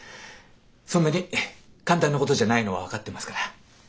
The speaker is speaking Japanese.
そんなに簡単なことじゃないのは分かってますから。